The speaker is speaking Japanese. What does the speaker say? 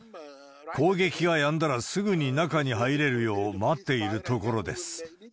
攻撃がやんだらすぐに中に入れるよう待っているところです。